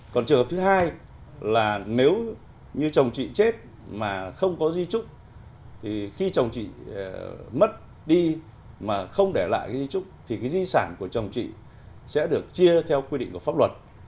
còn trường hợp thứ hai là nếu như chồng chị chết mà không có duy trúc thì khi chồng chị mất đi mà không để lại di trúc thì cái di sản của chồng chị sẽ được chia theo quy định của pháp luật